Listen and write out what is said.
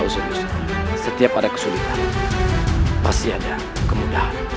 setiap ada kesulitan pasti ada kemudahan